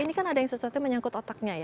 ini kan ada yang sesuatu menyangkut otaknya ya